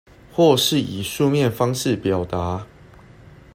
或是以書面方式表達